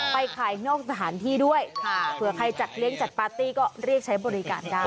ไปขายนอกสถานที่ด้วยเผื่อใครจัดเลี้ยงจัดปาร์ตี้ก็เรียกใช้บริการได้